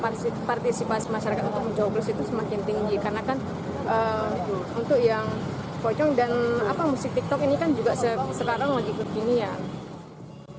karena kan untuk yang pocong dan musik tiktok ini kan juga sekarang lagi kekinian